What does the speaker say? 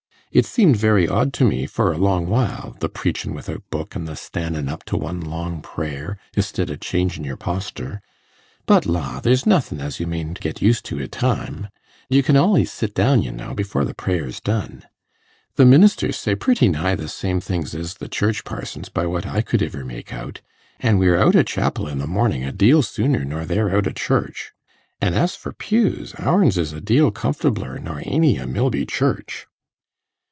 It seemed very odd to me for a long while, the preachin' without book, an' the stannin' up to one long prayer, istid o' changin' your postur. But la! there's nothin' as you mayn't get used to i' time; you can al'ys sit down, you know, before the prayer's done. The ministers say pretty nigh the same things as the Church parsons, by what I could iver make out, an' we're out o' chapel i' the mornin' a deal sooner nor they're out o' church. An' as for pews, ourn's is a deal comfortabler nor aeny i' Milby Church.